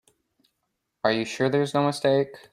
Are you sure there's no mistake?